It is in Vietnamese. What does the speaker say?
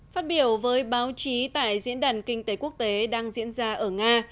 phát biểu với báo chí tại diễn đàn kinh tế quốc tế đang diễn ra ở nga